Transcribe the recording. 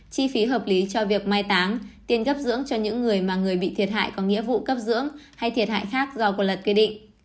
chi phí hợp lý cho việc mai táng tiền gấp dưỡng cho những người mà người bị thiệt hại có nghĩa vụ cấp dưỡng hay thiệt hại khác do quân luật kê định